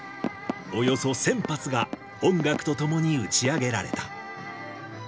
およそ１０００発が音楽とともに打ち上げられた。